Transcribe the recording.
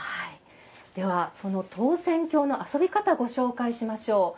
では、その投扇興の遊び方ご紹介しましょう。